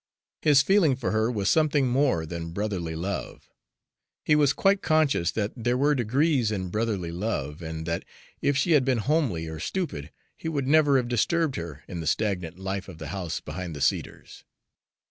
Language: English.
His feeling for her was something more than brotherly love, he was quite conscious that there were degrees in brotherly love, and that if she had been homely or stupid, he would never have disturbed her in the stagnant life of the house behind the cedars.